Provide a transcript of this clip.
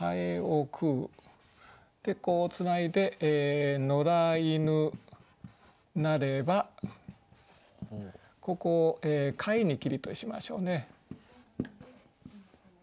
でこうつないで「野良犬なれば」。ここを「飼ひにけり」としましょうね。